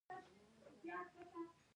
ستا په تړو کښې خېبره